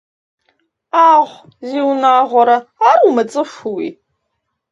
Ӏагъу зиунагъуэрэ, ар умыцӀыхууи?!